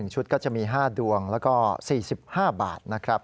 ชุดก็จะมี๕ดวงแล้วก็๔๕บาทนะครับ